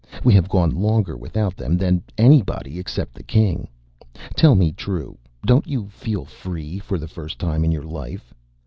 We have gone longer without them than anybody, except the King. Tell me true, don't you feel free for the first time in your life?